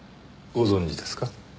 ご存じですか？